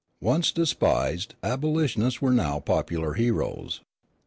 The once despised abolitionists were now popular heroes.